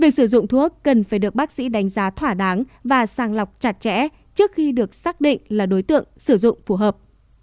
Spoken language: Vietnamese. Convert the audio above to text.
việc sử dụng thuốc cần phải được bác sĩ đánh giá thỏa đáng và sàng lọc chặt chẽ trước khi được xác định là đối tượng sử dụng phù hợp